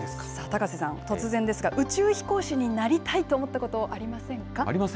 高瀬さん、突然ですが、宇宙飛行士になりたいと思ったことありませんか。